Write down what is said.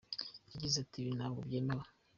Yagize ati “ Ibi ntabwo byemewe.